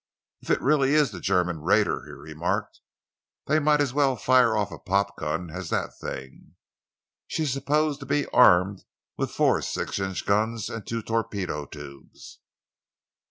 "If it really is the German raider," he remarked, "they might as well fire off a popgun as that thing. She is supposed to be armed with four six inch guns and two torpedo tubes."